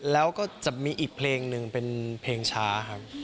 แล้วก็จะมีอีกเพลงหนึ่งเป็นเพลงช้าครับ